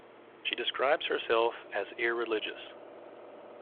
She describes herself as irreligious.